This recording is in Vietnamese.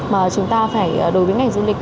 mà chúng ta đối với ngành du lịch